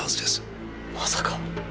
まさか。